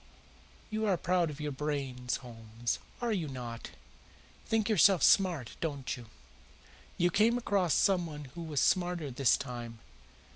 "You are proud of your brains, Holmes, are you not? Think yourself smart, don't you? You came across someone who was smarter this time.